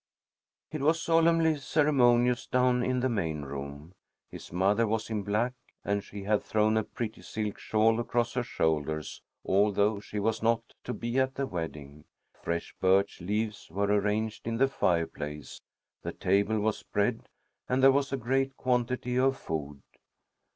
It was solemnly ceremonious down in the main room. His mother was in black, and she had thrown a pretty silk shawl across her shoulders, although she was not to be at the wedding. Fresh birch leaves were arranged in the fireplace. The table was spread, and there was a great quantity of food.